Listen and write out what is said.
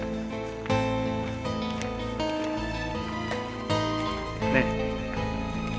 tahan aja bos